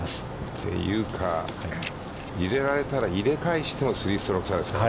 というか、入れられたら入れかえしても３ストローク差ですからね。